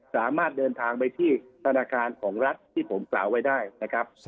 สามารถเดินทางไปที่ธนาคารของรัฐที่ผมกล่าวไว้ได้นะครับ